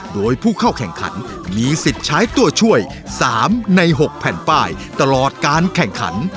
โดยผู้เข้าแข่งขันมีสิทธิ์ใช้ตัวช่วย๓ใน๖แผ่นป้ายตลอดการแข่งขัน